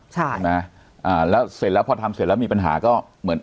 ใช่ไหมอ่าแล้วเสร็จแล้วพอทำเสร็จแล้วมีปัญหาก็เหมือน